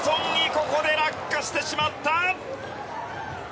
ここで落下してしまった。